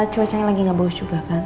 cuacanya lagi nggak bagus juga kan